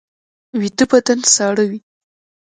ویده بدن ساړه وي